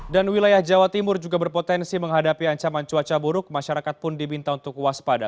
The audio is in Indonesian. dan wilayah jawa timur juga berpotensi menghadapi ancaman cuaca buruk masyarakat pun dibinta untuk waspada